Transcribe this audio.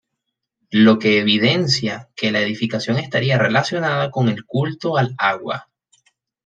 Lo que evidencia que la edificación estaría relacionada con el culto al agua.